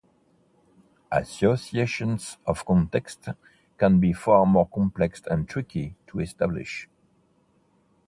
Associations of contexts can be far more complex and tricky to establish.